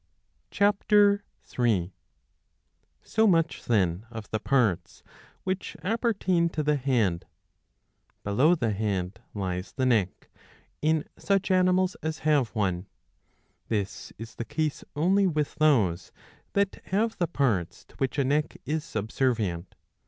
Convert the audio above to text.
^^ (Ch. 3.J So much, then, of the parts which appertain to the head. Below the head lies the neck, in such animals as have one. This is the case only with those that have the parts to which a neck is subservient.